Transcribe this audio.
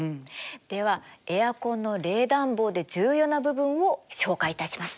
ではエアコンの冷暖房で重要な部分を紹介いたします！